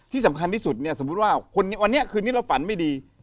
ที่สำคัญที่สุดเนี่ยสมมุติว่าวันนี้คืนนี้เราฝันไม่ดี